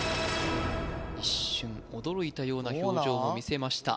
一瞬驚いたような表情を見せました